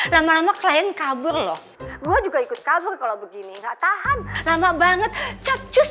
lama lama klien kabur loh gue juga ikut kabur kalau begini enggak tahan lama banget capcus